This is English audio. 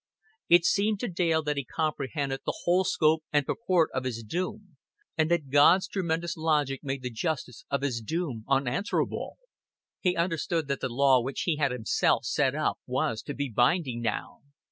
It seemed to Dale that he comprehended the whole scope and purport of his doom, and that God's tremendous logic made the justice of his doom unanswerable. He understood that the law which he had himself set up was to be binding now.